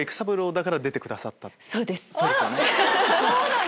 そうですよね。